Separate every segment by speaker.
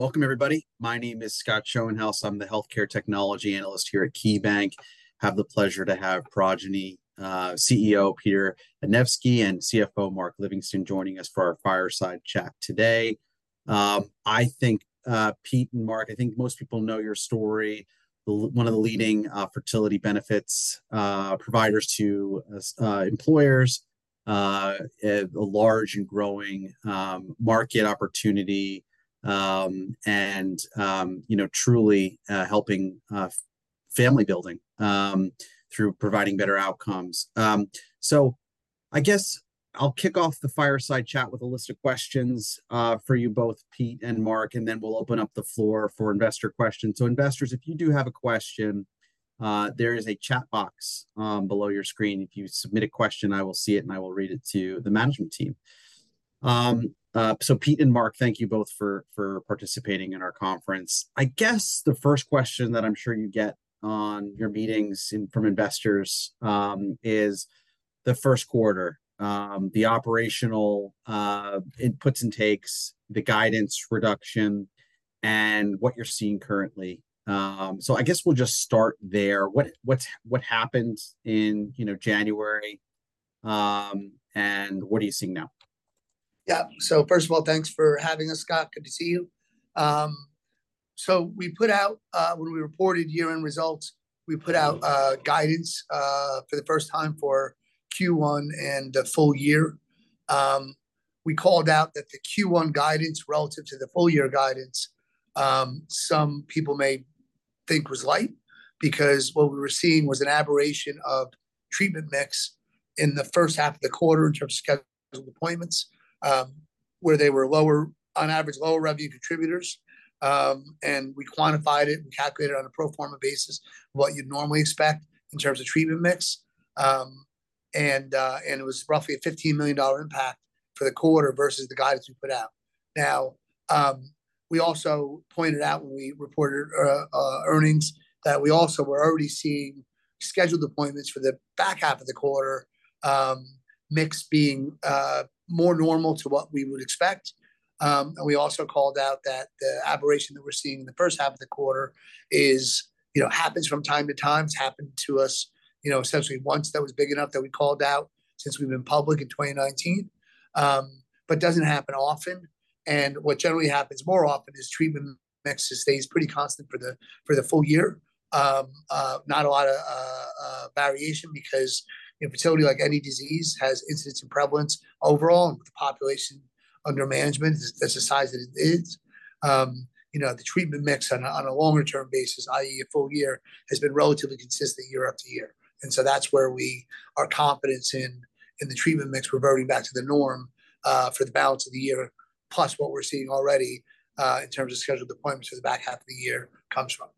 Speaker 1: Welcome, everybody. My name is Scott Schoenhaus. I'm the healthcare technology analyst here at KeyBanc. I have the pleasure to have Progyny CEO Peter Anevski and CFO Mark Livingston joining us for our fireside chat today. I think, Pete and Mark, I think most people know your story, the one of the leading fertility benefits providers to employers, a large and growing market opportunity, and, you know, truly helping family building through providing better outcomes. So I guess I'll kick off the fireside chat with a list of questions for you both, Pete and Mark, and then we'll open up the floor for investor questions. So investors, if you do have a question, there is a chat box below your screen. If you submit a question, I will see it, and I will read it to the management team. Pete and Mark, thank you both for participating in our conference. I guess the first question that I'm sure you get on your meetings in from investors is the first quarter, the operational inputs and takes, the guidance reduction, and what you're seeing currently. I guess we'll just start there. What's happened in, you know, January, and what are you seeing now?
Speaker 2: Yeah. So first of all, thanks for having us, Scott. Good to see you. So we put out, when we reported year-end results, we put out guidance for the first time for Q1 and the full year. We called out that the Q1 guidance relative to the full-year guidance, some people may think was light because what we were seeing was an aberration of treatment mix in the first half of the quarter in terms of scheduled appointments, where they were lower on average, lower revenue contributors. And we quantified it, we calculated on a pro forma basis what you'd normally expect in terms of treatment mix. And it was roughly a $15 million impact for the quarter versus the guidance we put out. Now, we also pointed out when we reported earnings that we also were already seeing scheduled appointments for the back half of the quarter, mix being more normal to what we would expect. We also called out that the aberration that we're seeing in the first half of the quarter is, you know, happens from time to time, has happened to us, you know, essentially once that was big enough that we called out since we've been public in 2019, but doesn't happen often. What generally happens more often is treatment mix stays pretty constant for the full year. Not a lot of variation because, you know, fertility, like any disease, has incidence and prevalence overall, and with the population under management, it's as a size that it is. You know, the treatment mix on a longer-term basis, i.e., a full year, has been relatively consistent year after year. And so that's where our confidence in the treatment mix reverting back to the norm, for the balance of the year, plus what we're seeing already, in terms of scheduled appointments for the back half of the year comes from.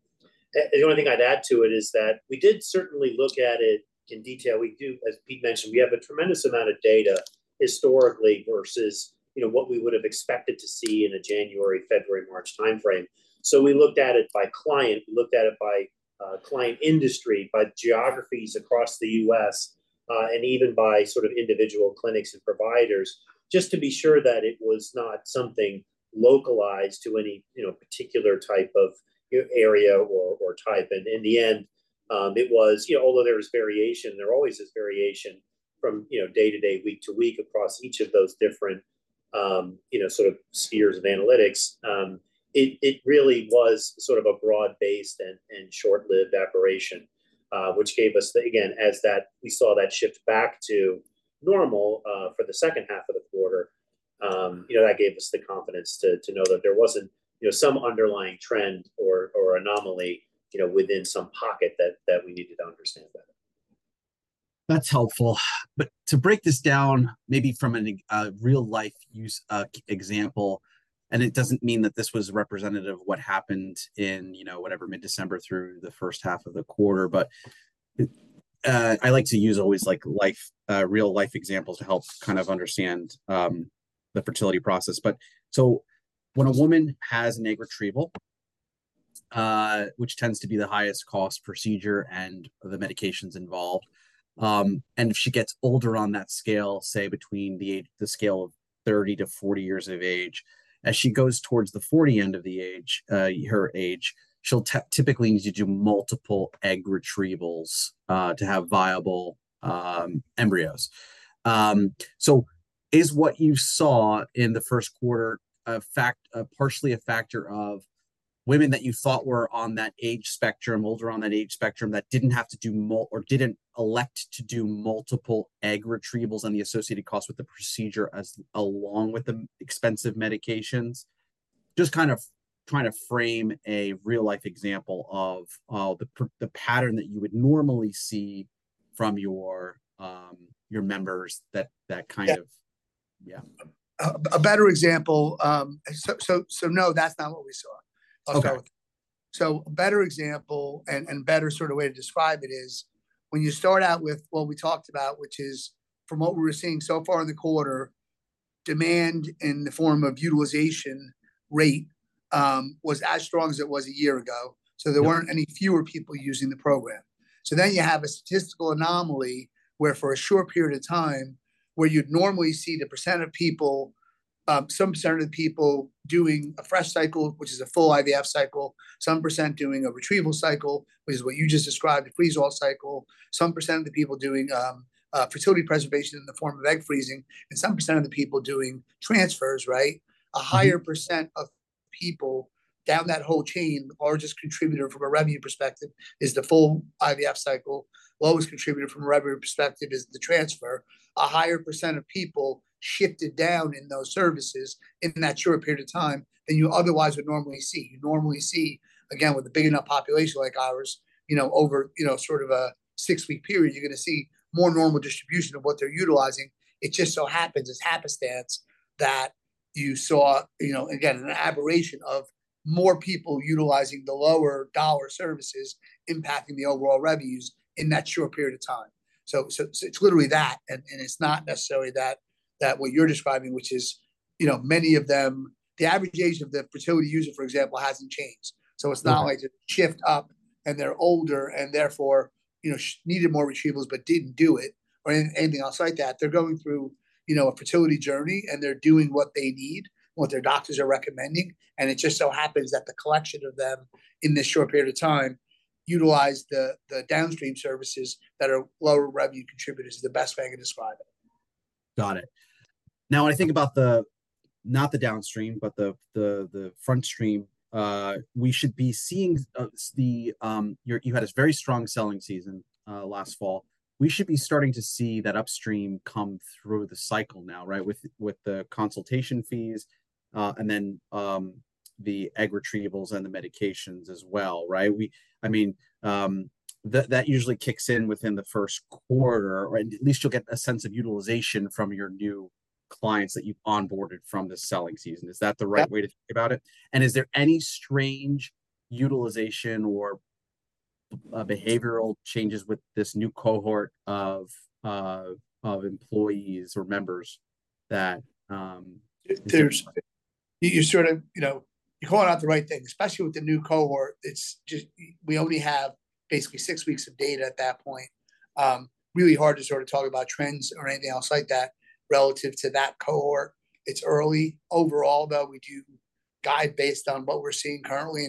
Speaker 1: The only thing I'd add to it is that we did certainly look at it in detail. We do, as Pete mentioned, we have a tremendous amount of data historically versus, you know, what we would have expected to see in a January, February, March timeframe. So we looked at it by client, we looked at it by client industry, by geographies across the U.S., and even by sort of individual clinics and providers, just to be sure that it was not something localized to any, you know, particular type of area or type. And in the end, it was, you know, although there was variation, there always is variation from, you know, day to day, week to week across each of those different, you know, sort of spheres of analytics. It really was sort of a broad-based and short-lived aberration, which gave us, again, as we saw that shift back to normal for the second half of the quarter, you know, that gave us the confidence to know that there wasn't, you know, some underlying trend or anomaly, you know, within some pocket that we needed to understand better.
Speaker 3: That's helpful. But to break this down maybe from a real-life use example—and it doesn't mean that this was representative of what happened in, you know, whatever, mid-December through the first half of the quarter—but it, I like to use always, like, life, real-life examples to help kind of understand the fertility process. But so when a woman has an egg retrieval, which tends to be the highest-cost procedure and the medications involved, and if she gets older on that scale, say between the age the scale of 30-40 years of age, as she goes towards the 40 end of the age, her age, she'll typically need to do multiple egg retrievals, to have viable embryos. So, is what you saw in the first quarter in fact partially a factor of women that you thought were on that age spectrum, older on that age spectrum, that didn't have to do more or didn't elect to do multiple egg retrievals and the associated costs with the procedure, along with the expensive medications? Just kind of trying to frame a real-life example of, oh, the pattern that you would normally see from your members that kind of.
Speaker 2: Yeah.
Speaker 3: Yeah.
Speaker 2: A better example, so no, that's not what we saw.
Speaker 3: Okay.
Speaker 2: I'll start with that. So a better example and better sort of way to describe it is when you start out with what we talked about, which is from what we were seeing so far in the quarter, demand in the form of utilization rate, was as strong as it was a year ago. So there weren't any fewer people using the program. So then you have a statistical anomaly where for a short period of time where you'd normally see the percent of people, some percent of the people doing a fresh cycle, which is a full IVF cycle, some percent doing a retrieval cycle, which is what you just described, a freeze-all cycle, some percent of the people doing fertility preservation in the form of egg freezing, and some percent of the people doing transfers, right? A higher percent of people down that whole chain, the largest contributor from a revenue perspective, is the full IVF cycle. The lowest contributor from a revenue perspective is the transfer. A higher percent of people shifted down in those services in that short period of time than you otherwise would normally see. You normally see, again, with a big enough population like ours, you know, over, you know, sort of a six-week period, you're going to see more normal distribution of what they're utilizing. It just so happens, it's happenstance, that you saw, you know, again, an aberration of more people utilizing the lower-dollar services impacting the overall revenues in that short period of time. So, it's literally that. And it's not necessarily that what you're describing, which is, you know, many of them the average age of the fertility user, for example, hasn't changed. So it's not like a shift up, and they're older, and therefore, you know, she needed more retrievals but didn't do it or anything else like that. They're going through, you know, a fertility journey, and they're doing what they need, what their doctors are recommending. And it just so happens that the collection of them in this short period of time utilized the downstream services that are lower revenue contributors is the best way I can describe it.
Speaker 1: Got it. Now, when I think about not the downstream, but the frontstream, we should be seeing your you had a very strong selling season last fall. We should be starting to see that upstream come through the cycle now, right, with the consultation fees, and then the egg retrievals and the medications as well, right? We, I mean, that usually kicks in within the first quarter, or at least you'll get a sense of utilization from your new clients that you've onboarded from this selling season. Is that the right way to think about it? And is there any strange utilization or behavioral changes with this new cohort of employees or members that.
Speaker 2: There's you sort of, you know, you're calling out the right thing. Especially with the new cohort, it's just we only have basically six weeks of data at that point. It's really hard to sort of talk about trends or anything else like that relative to that cohort. It's early. Overall, though, we do guide based on what we're seeing currently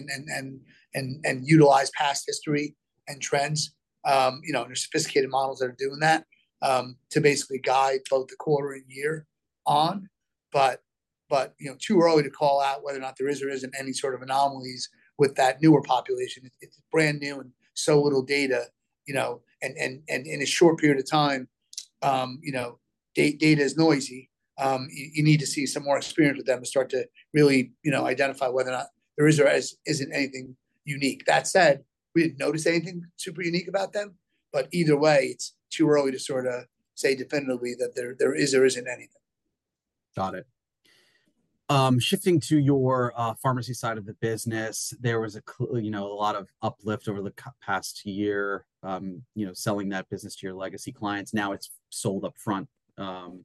Speaker 2: and utilize past history and trends, you know, and there's sophisticated models that are doing that, to basically guide both the quarter and year on. But, you know, too early to call out whether or not there is or isn't any sort of anomalies with that newer population. It's brand new and so little data, you know, and in a short period of time, you know, that data is noisy. You need to see some more experience with them to start to really, you know, identify whether or not there is or isn't anything unique. That said, we didn't notice anything super unique about them. But either way, it's too early to sort of say definitively that there is or isn't anything.
Speaker 1: Got it. Shifting to your pharmacy side of the business, there was, you know, a lot of uplift over the past year, you know, selling that business to your legacy clients. Now it's sold upfront,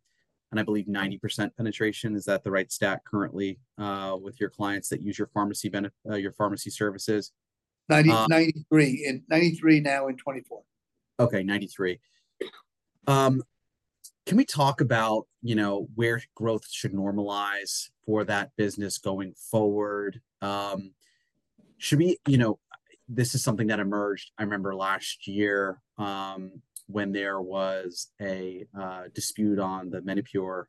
Speaker 1: and I believe 90% penetration. Is that the right stat currently, with your clients that use your pharmacy benefit, your pharmacy services?
Speaker 2: Ninety... ninety-three. Ninety-three, now in 2024.
Speaker 1: Okay, 93. Can we talk about, you know, where growth should normalize for that business going forward? Should we you know, this is something that emerged, I remember, last year, when there was a dispute on the Menopur.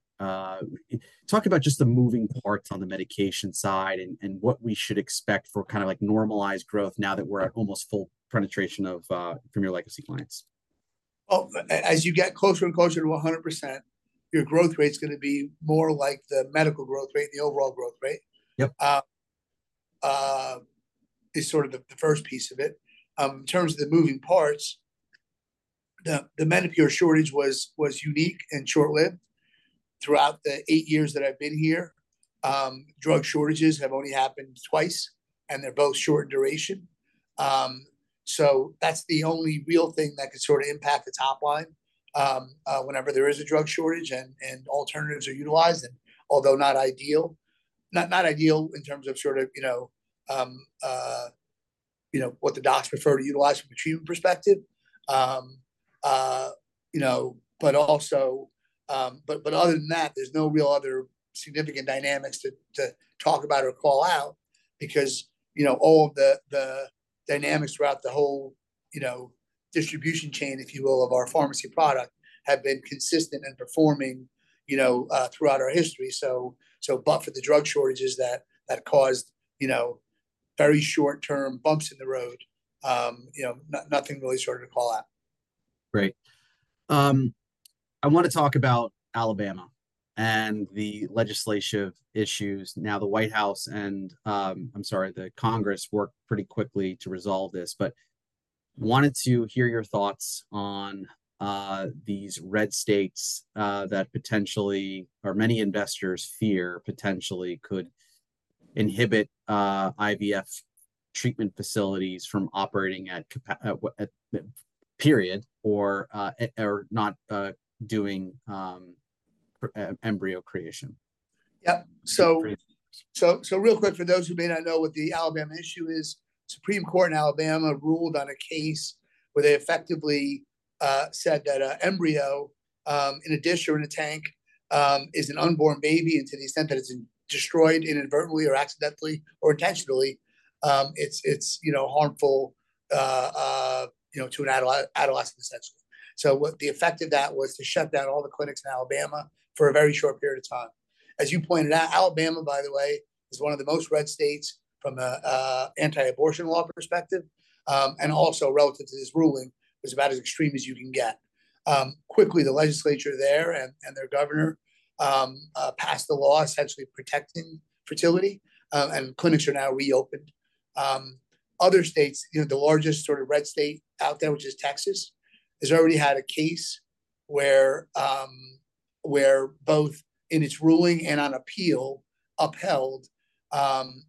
Speaker 1: Talk about just the moving parts on the medication side and and what we should expect for kind of, like, normalized growth now that we're at almost full penetration of, from your legacy clients.
Speaker 2: Well, as you get closer and closer to 100%, your growth rate's going to be more like the medical growth rate, the overall growth rate.
Speaker 1: Yep.
Speaker 2: It is sort of the first piece of it. In terms of the moving parts, the Menopur shortage was unique and short-lived throughout the eight years that I've been here. Drug shortages have only happened twice, and they're both short in duration. So that's the only real thing that could sort of impact the top line, whenever there is a drug shortage and alternatives are utilized. And although not ideal in terms of sort of, you know, what the docs prefer to utilize from a treatment perspective, you know, but other than that, there's no real other significant dynamics to talk about or call out because, you know, all of the dynamics throughout the whole, you know, distribution chain, if you will, of our pharmacy product have been consistent and performing, you know, throughout our history. So, but for the drug shortages that caused, you know, very short-term bumps in the road, you know, nothing really sort of to call out.
Speaker 1: Great. I want to talk about Alabama and the legislative issues. Now, the White House and, I'm sorry, the Congress worked pretty quickly to resolve this, but wanted to hear your thoughts on these red states that potentially or many investors fear potentially could inhibit IVF treatment facilities from operating at capacity or whatever or not doing pre-embryo creation.
Speaker 2: Yep. So real quick, for those who may not know what the Alabama issue is, Supreme Court in Alabama ruled on a case where they effectively said that an embryo, in a dish or in a tank, is an unborn baby. And to the extent that it's destroyed inadvertently or accidentally or intentionally, it's, you know, harmful, you know, to an adult, essentially. So what the effect of that was to shut down all the clinics in Alabama for a very short period of time. As you pointed out, Alabama, by the way, is one of the most red states from a anti-abortion law perspective, and also relative to this ruling was about as extreme as you can get. Quickly, the legislature there and their governor passed the law essentially protecting fertility, and clinics are now reopened. Other states, you know, the largest sort of red state out there, which is Texas, has already had a case where both in its ruling and on appeal upheld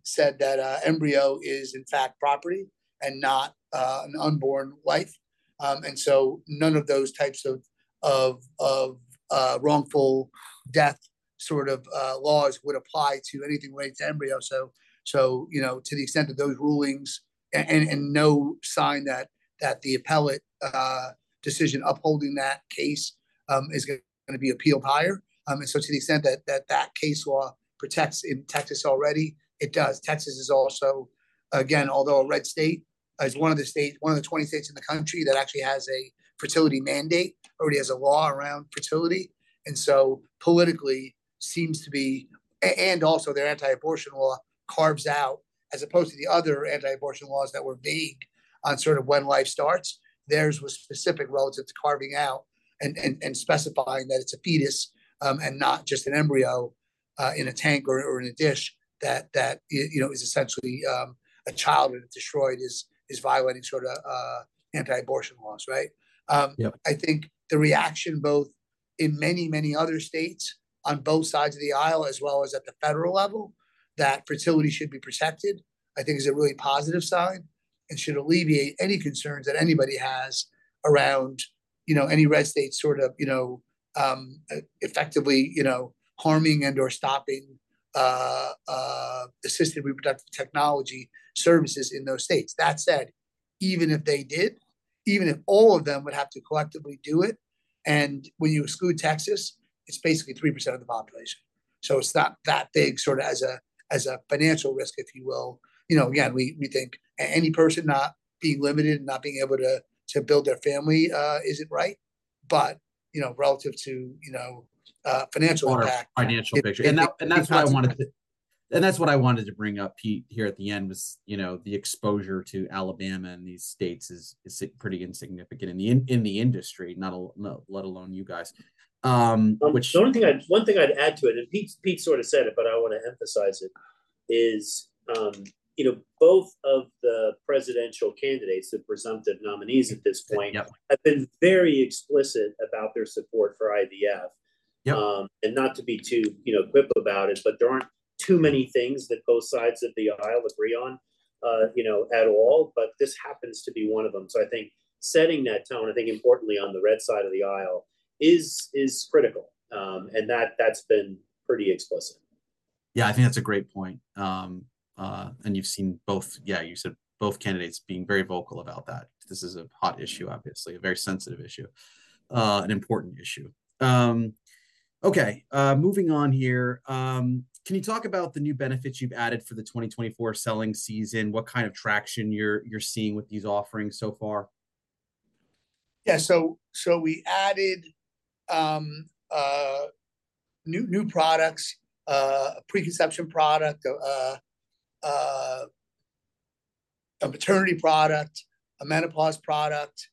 Speaker 2: said that embryo is, in fact, property and not an unborn life. And so none of those types of wrongful death sort of laws would apply to anything related to embryo. So, you know, to the extent that those rulings and no sign that the appellate decision upholding that case is going to be appealed higher. And so to the extent that case law protects in Texas already, it does. Texas is also, again, although a red state, one of the 20 states in the country that actually has a fertility mandate, already has a law around fertility. And so politically seems to be and also their anti-abortion law carves out, as opposed to the other anti-abortion laws that were vague on sort of when life starts, theirs was specific relative to carving out and specifying that it's a fetus, and not just an embryo in a tank or in a dish that, you know, is essentially a child and it's destroyed is violating sort of anti-abortion laws, right?
Speaker 1: Yep.
Speaker 2: I think the reaction, both in many, many other states on both sides of the aisle, as well as at the federal level, that fertility should be protected, I think, is a really positive sign and should alleviate any concerns that anybody has around, you know, any red state sort of, you know, effectively, you know, harming and/or stopping, assisted reproductive technology services in those states. That said, even if they did, even if all of them would have to collectively do it and when you exclude Texas, it's basically 3% of the population. So it's not that big sort of as a financial risk, if you will. You know, again, we think any person not being limited and not being able to build their family, isn't right. But, you know, relative to, you know, financial impact.
Speaker 1: Or a financial picture. And that's what I wanted to bring up, Pete, here at the end was, you know, the exposure to Alabama and these states is pretty insignificant in the industry, not at all, let alone you guys. Which.
Speaker 3: The only one thing I'd add to it, and Pete's sort of said it, but I want to emphasize it, is, you know, both of the presidential candidates, the presumptive nominees at this point.
Speaker 1: Yep.
Speaker 3: Have been very explicit about their support for IVF.
Speaker 1: Yep.
Speaker 3: Not to be too, you know, quip about it, but there aren't too many things that both sides of the aisle agree on, you know, at all. But this happens to be one of them. So I think setting that tone, I think importantly, on the red side of the aisle is critical. And that's been pretty explicit.
Speaker 1: Yeah, I think that's a great point. And you've seen both, yeah, you said both candidates being very vocal about that. This is a hot issue, obviously, a very sensitive issue, an important issue. Okay, moving on here, can you talk about the new benefits you've added for the 2024 selling season? What kind of traction you're seeing with these offerings so far?
Speaker 2: Yeah. So we added new products, a preconception product, a maternity product, a menopause product,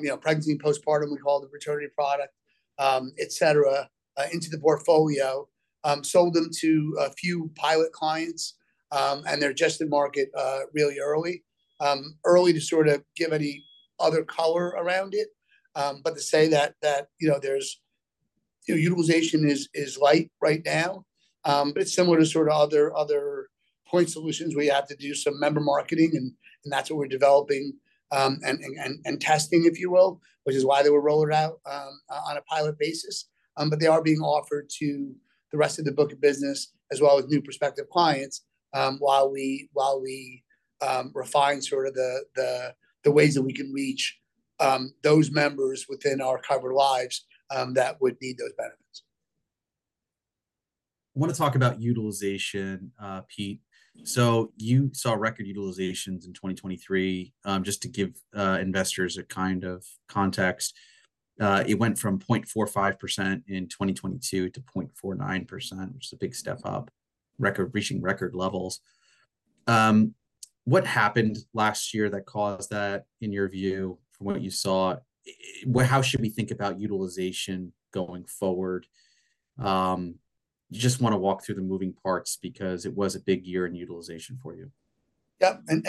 Speaker 2: you know, pregnancy and postpartum, we call it the maternity product, etc., into the portfolio. Sold them to a few pilot clients, and they're just in market, really early to sort of give any other color around it. But to say that, you know, there's utilization is light right now, but it's similar to sort of other point solutions. We have to do some member marketing, and testing, if you will, which is why they were rolled out on a pilot basis. But they are being offered to the rest of the book of business, as well as new prospective clients, while we refine sort of the ways that we can reach those members within our covered lives that would need those benefits.
Speaker 1: I want to talk about utilization, Pete. So you saw record utilizations in 2023, just to give investors a kind of context. It went from 0.45% in 2022 to 0.49%, which is a big step up, reaching record levels. What happened last year that caused that, in your view, from what you saw? How should we think about utilization going forward? I just want to walk through the moving parts because it was a big year in utilization for you.
Speaker 2: Yep. And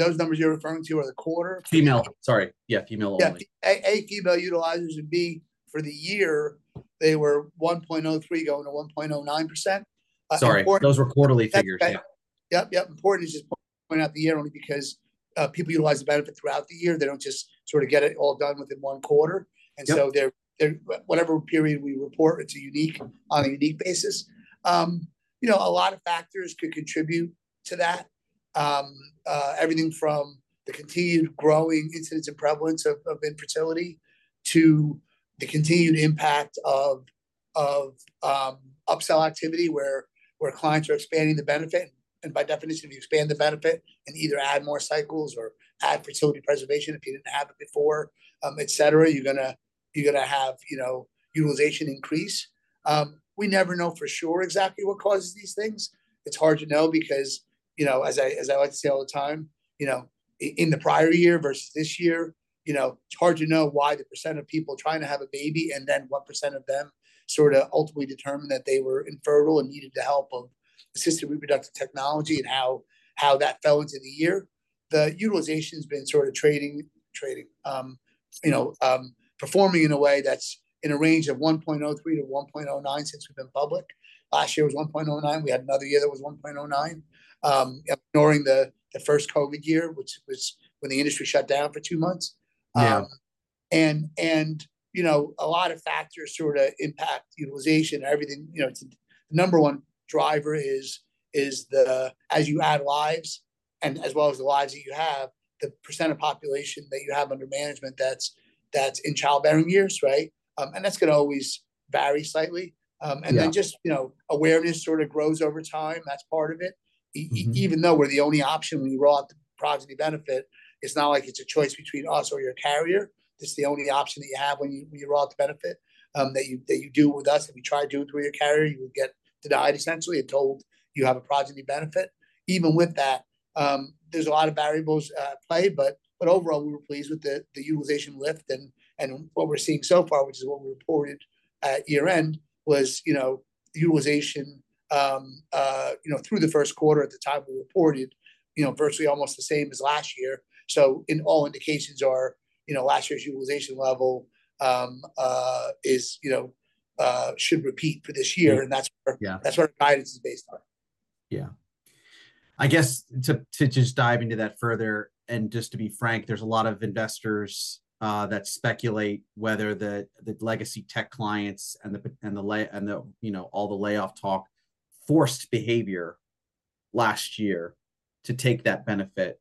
Speaker 2: those numbers you're referring to are the quarter?
Speaker 1: Female. Sorry. Yeah, female only.
Speaker 2: Yeah. A, female utilizers. And B, for the year, they were 1.03%-1.09%. Important.
Speaker 1: Sorry. Those were quarterly figures. Yeah.
Speaker 2: Yep. Yep. Important is just pointing out the year only because people utilize the benefit throughout the year. They don't just sort of get it all done within one quarter. And so they're whatever period we report, it's unique on a unique basis. You know, a lot of factors could contribute to that, everything from the continued growing incidence and prevalence of infertility to the continued impact of upsell activity where clients are expanding the benefit. And by definition, if you expand the benefit and either add more cycles or add fertility preservation if you didn't have it before, etc., you're going to have, you know, utilization increase. We never know for sure exactly what causes these things. It's hard to know because, you know, as I as I like to say all the time, you know, in the prior year versus this year, you know, it's hard to know why the percent of people trying to have a baby and then what percent of them sort of ultimately determined that they were infertile and needed the help of assisted reproductive technology and how that fell into the year. The utilization's been sort of trading, you know, performing in a way that's in a range of 1.03-1.09 since we've been public. Last year was 1.09. We had another year that was 1.09, ignoring the first COVID year, which was when the industry shut down for two months.
Speaker 1: Yeah.
Speaker 2: You know, a lot of factors sort of impact utilization and everything. You know, it's the number one driver is as you add lives and as well as the lives that you have, the percent of population that you have under management that's in childbearing years, right? And that's going to always vary slightly. And then just, you know, awareness sort of grows over time. That's part of it. Even though we're the only option when you roll out the Progyny benefit, it's not like it's a choice between us or your carrier. It's the only option that you have when you roll out the benefit, that you do with us. If you try to do it through your carrier, you would get denied, essentially, and told you have a Progyny benefit. Even with that, there's a lot of variables at play. But overall, we were pleased with the utilization lift. And what we're seeing so far, which is what we reported year-end, was, you know, utilization, you know, through the first quarter at the time we reported, you know, virtually almost the same as last year. So in all indications are, you know, last year's utilization level, is, you know, should repeat for this year. And that's where.
Speaker 1: Yeah.
Speaker 2: That's where our guidance is based on.
Speaker 1: Yeah. I guess to just dive into that further and just to be frank, there's a lot of investors that speculate whether the legacy tech clients and the, you know, all the layoff talk forced behavior last year to take that benefit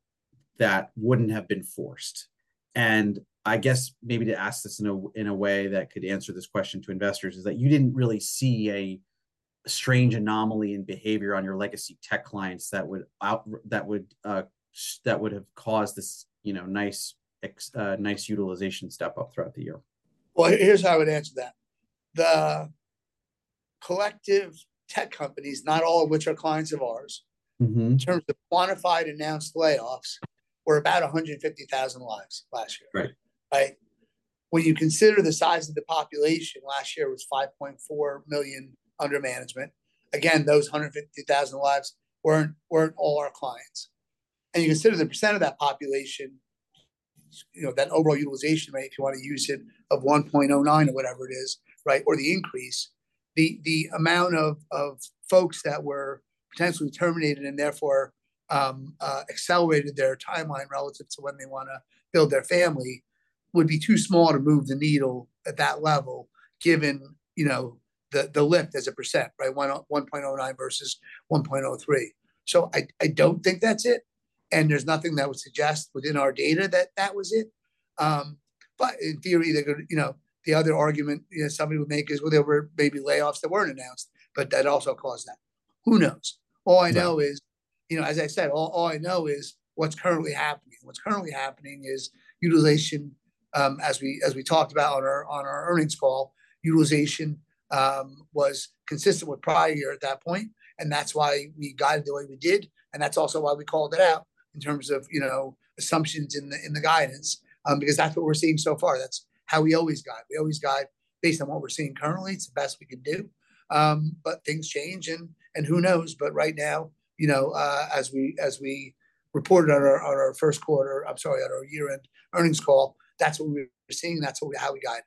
Speaker 1: that wouldn't have been forced. And I guess maybe to ask this in a way that could answer this question to investors is that you didn't really see a strange anomaly in behavior on your legacy tech clients that would have caused this, you know, nice utilization step up throughout the year.
Speaker 2: Well, here's how I would answer that. The collective tech companies, not all of which are clients of ours. In terms of quantified announced layoffs, were about 150,000 lives last year.
Speaker 1: Right.
Speaker 2: Right? When you consider the size of the population, last year was 5.4 million under management. Again, those 150,000 lives weren't all our clients. And you consider the percent of that population, you know, that overall utilization rate, if you want to use it, of 1.09% or whatever it is, right, or the increase, the amount of folks that were potentially terminated and therefore, accelerated their timeline relative to when they want to build their family would be too small to move the needle at that level, given, you know, the lift as a percent, right, 1.09% versus 1.03%. So I don't think that's it. And there's nothing that would suggest within our data that was it. But in theory, they're going to you know, the other argument, you know, somebody would make is, well, there were maybe layoffs that weren't announced, but that also caused that. Who knows? All I know is, you know, as I said, all I know is what's currently happening. What's currently happening is utilization, as we talked about on our earnings call, utilization was consistent with prior year at that point. And that's why we guided the way we did. And that's also why we called it out in terms of, you know, assumptions in the guidance, because that's what we're seeing so far. That's how we always guide. We always guide based on what we're seeing currently. It's the best we can do. But things change. And who knows? But right now, you know, as we reported on our first quarter, I'm sorry, on our year-end earnings call, that's what we're seeing. That's how we guide.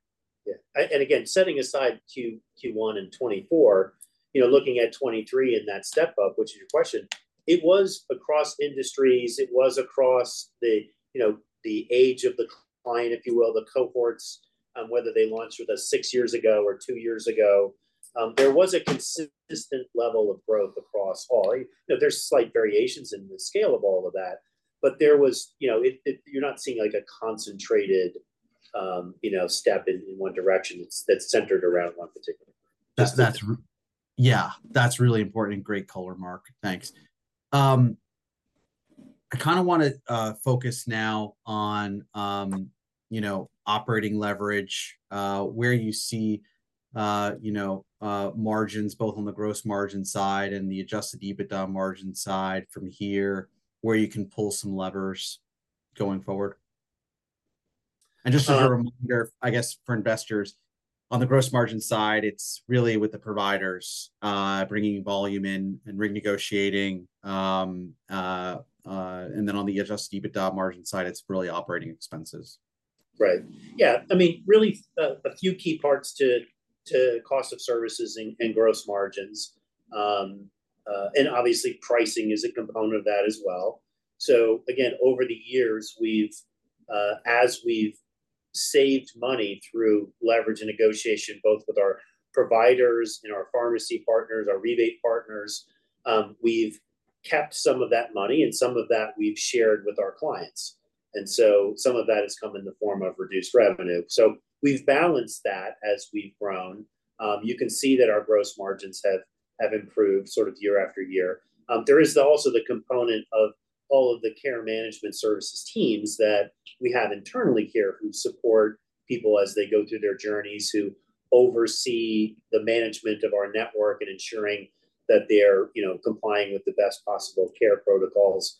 Speaker 3: Yeah. And again, setting aside Q1 and 2024, you know, looking at 2023 and that step up, which is your question, it was across industries. It was across the, you know, the age of the client, if you will, the cohorts, whether they launched with us six years ago or two years ago, there was a consistent level of growth across all. You know, there's slight variations in the scale of all of that, but there was, you know, it, you're not seeing, like, a concentrated, you know, step in one direction that's centered around one particular group.
Speaker 1: That's yeah. That's really important. Great color, Mark. Thanks. I kind of want to focus now on, you know, operating leverage, where you see, you know, margins both on the gross margin side and the adjusted EBITDA margin side from here, where you can pull some levers going forward. And just as a reminder, I guess, for investors, on the gross margin side, it's really with the providers, bringing volume in and renegotiating, and then on the adjusted EBITDA margin side, it's really operating expenses.
Speaker 3: Right. Yeah. I mean, really, a few key parts to cost of services and gross margins. And obviously, pricing is a component of that as well. So again, over the years, we've saved money through leverage and negotiation, both with our providers and our pharmacy partners, our rebate partners. We've kept some of that money, and some of that we've shared with our clients. And so some of that has come in the form of reduced revenue. So we've balanced that as we've grown. You can see that our gross margins have improved sort of year after year. There is also the component of all of the care management services teams that we have internally here who support people as they go through their journeys, who oversee the management of our network and ensuring that they're, you know, complying with the best possible care protocols,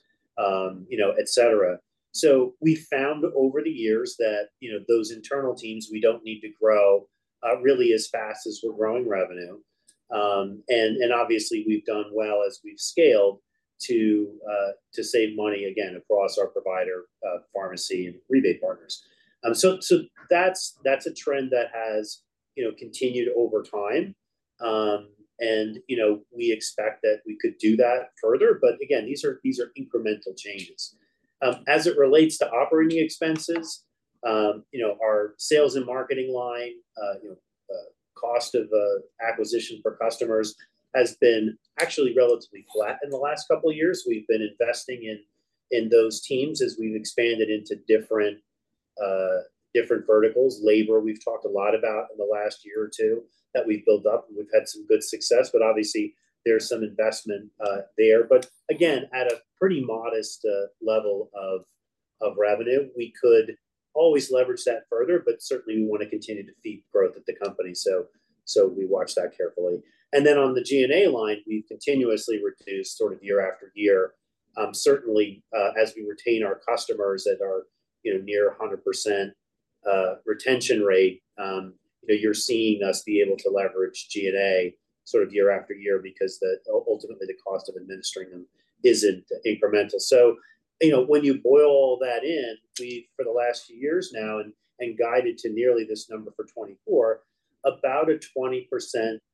Speaker 3: you know, etc. So we found over the years that, you know, those internal teams, we don't need to grow, really as fast as we're growing revenue. And obviously, we've done well as we've scaled to save money, again, across our provider, pharmacy and rebate partners. So that's a trend that has, you know, continued over time. And, you know, we expect that we could do that further. But again, these are incremental changes. As it relates to operating expenses, you know, our sales and marketing line, you know, cost of acquisition for customers has been actually relatively flat in the last couple of years. We've been investing in those teams as we've expanded into different verticals. Labor, we've talked a lot about in the last year or two that we've built up. We've had some good success. But obviously, there's some investment there. But again, at a pretty modest level of revenue, we could always leverage that further. But certainly, we want to continue to feed growth at the company. So we watch that carefully. And then on the G&A line, we've continuously reduced sort of year after year. Certainly, as we retain our customers at our, you know, near 100% retention rate, you know, you're seeing us be able to leverage G&A sort of year after year because ultimately, the cost of administering them isn't incremental. So, you know, when you boil all that in, we've for the last few years now and guided to nearly this number for 2024, about a 20%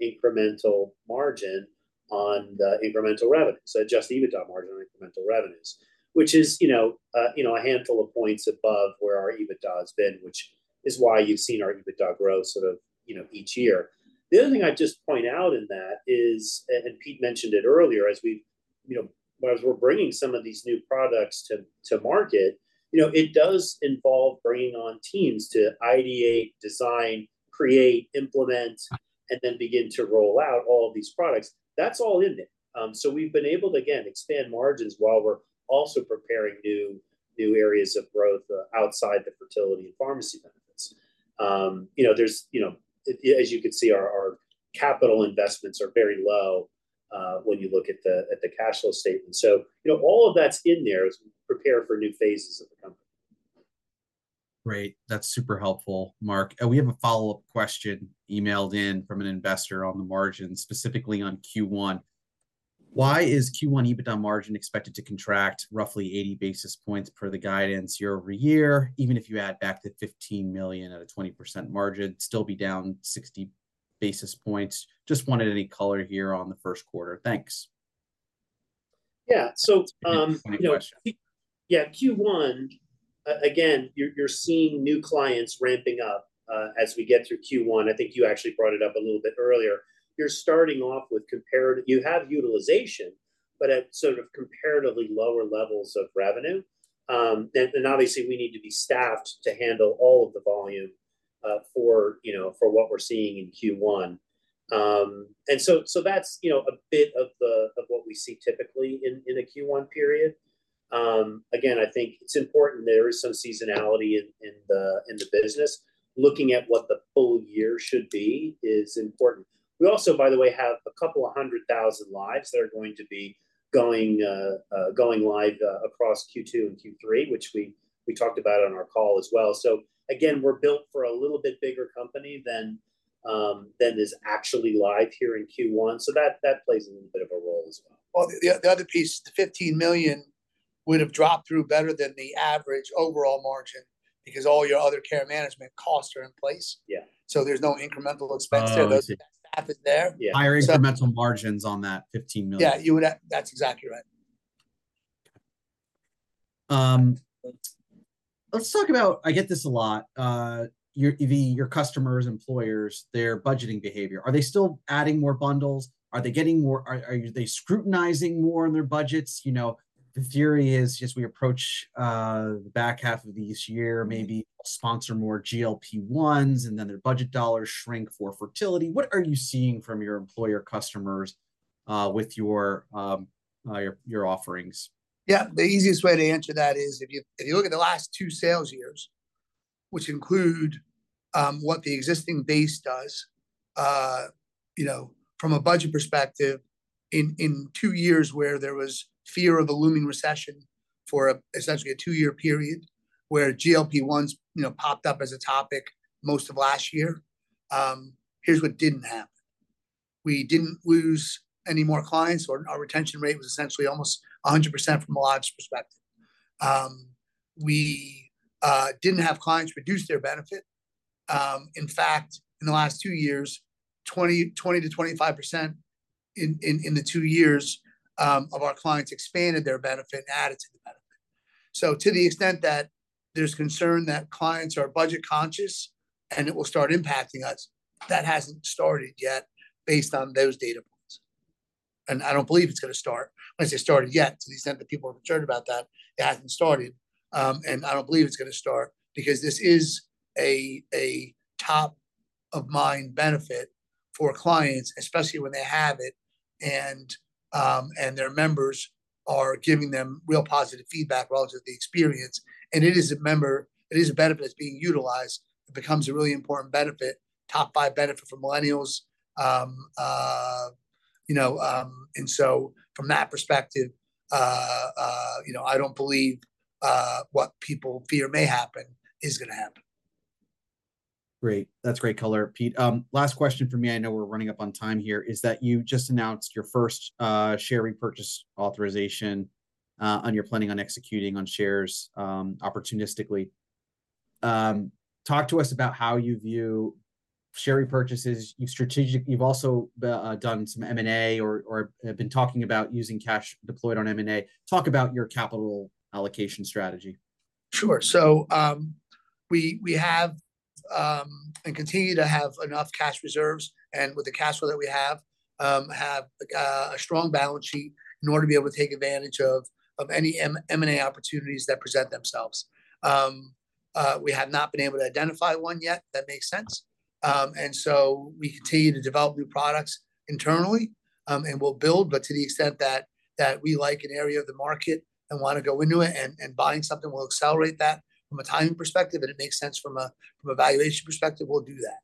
Speaker 3: incremental margin on the incremental revenue, so adjusted EBITDA margin on incremental revenues, which is, you know, you know, a handful of points above where our EBITDA has been, which is why you've seen our EBITDA grow sort of, you know, each year. The other thing I'd just point out in that is, and Pete mentioned it earlier, as we've, you know, as we're bringing some of these new products to market, you know, it does involve bringing on teams to ideate, design, create, implement, and then begin to roll out all of these products. That's all in there. So we've been able to, again, expand margins while we're also preparing new areas of growth, outside the fertility and pharmacy benefits. You know, there's, you know, as you can see, our capital investments are very low, when you look at the cash flow statement. So, you know, all of that's in there as we prepare for new phases of the company.
Speaker 1: Great. That's super helpful, Mark. We have a follow-up question emailed in from an investor on the margins, specifically on Q1. "Why is Q1 EBITDA margin expected to contract roughly 80 basis points per the guidance year-over-year, even if you add back the $15 million at a 20% margin, still be down 60 basis points? Just wanted any color here on the first quarter. Thanks.
Speaker 3: Yeah. So, yeah, Q1, again, you're seeing new clients ramping up, as we get through Q1. I think you actually brought it up a little bit earlier. You're starting off with comparative you have utilization, but at sort of comparatively lower levels of revenue. And obviously, we need to be staffed to handle all of the volume, for, you know, for what we're seeing in Q1. And so that's, you know, a bit of the what we see typically in a Q1 period. Again, I think it's important. There is some seasonality in the business. Looking at what the full year should be is important. We also, by the way, have a couple of hundred thousand lives that are going to be going live, across Q2 and Q3, which we talked about on our call as well. So again, we're built for a little bit bigger company than is actually live here in Q1. So that plays a little bit of a role as well.
Speaker 2: Well, the other piece, the $15 million would have dropped through better than the average overall margin because all your other care management costs are in place.
Speaker 3: Yeah.
Speaker 2: There's no incremental expense there. The staff is there.
Speaker 3: Yeah.
Speaker 1: Higher incremental margins on that $15 million.
Speaker 2: Yeah. You would have. That's exactly right.
Speaker 1: Okay. Let's talk about. I get this a lot. Your customers, employers, their budgeting behavior. Are they still adding more bundles? Are they getting more, are they scrutinizing more in their budgets? You know, the theory is just we approach the back half of this year, maybe sponsor more GLP-1s, and then their budget dollars shrink for fertility. What are you seeing from your employer customers, with your offerings?
Speaker 2: Yeah. The easiest way to answer that is if you look at the last two sales years, which include what the existing base does, you know, from a budget perspective, in two years where there was fear of a looming recession for essentially a two-year period where GLP-1s, you know, popped up as a topic most of last year, here's what didn't happen. We didn't lose any more clients, or our retention rate was essentially almost 100% from a lives perspective. We didn't have clients reduce their benefit. In fact, in the last two years, 20%-25% in the two years of our clients expanded their benefit and added to the benefit. So to the extent that there's concern that clients are budget-conscious and it will start impacting us, that hasn't started yet based on those data points. I don't believe it's going to start. When I say started yet, to the extent that people are concerned about that, it hasn't started. And I don't believe it's going to start because this is a top-of-mind benefit for clients, especially when they have it and their members are giving them real positive feedback relative to the experience. And it is a member it is a benefit that's being utilized. It becomes a really important benefit, top-five benefit for Millennials. You know, and so from that perspective, you know, I don't believe what people fear may happen is going to happen.
Speaker 1: Great. That's great color, Pete. Last question for me. I know we're running up on time here. I saw that you just announced your first share repurchase authorization, and you're planning on executing on shares opportunistically. Talk to us about how you view share repurchases. You've strategically also done some M&A or have been talking about using cash deployed on M&A. Talk about your capital allocation strategy.
Speaker 2: Sure. So, we have, and continue to have enough cash reserves. And with the cash flow that we have, a strong balance sheet in order to be able to take advantage of any M&A opportunities that present themselves. We have not been able to identify one yet. That makes sense. And so we continue to develop new products internally, and we'll build. But to the extent that we like an area of the market and want to go into it and buying something will accelerate that from a timing perspective, and it makes sense from a valuation perspective, we'll do that.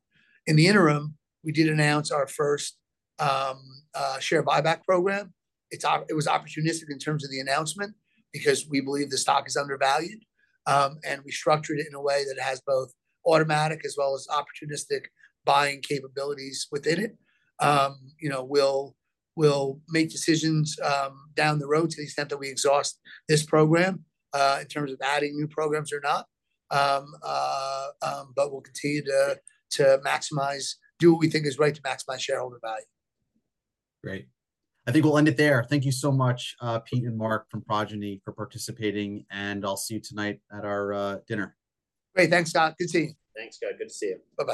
Speaker 2: In the interim, we did announce our first share buyback program. It was opportunistic in terms of the announcement because we believe the stock is undervalued. We structured it in a way that it has both automatic as well as opportunistic buying capabilities within it. You know, we'll make decisions down the road to the extent that we exhaust this program, in terms of adding new programs or not. But we'll continue to maximize, do what we think is right to maximize shareholder value.
Speaker 1: Great. I think we'll end it there. Thank you so much, Pete and Mark from Progyny for participating. I'll see you tonight at our dinner.
Speaker 2: Great. Thanks, Scott. Good to see you.
Speaker 3: Thanks, Scott. Good to see you. Bye-bye.